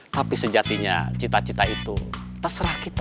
tapi sejatinya cita cita itu terserah kita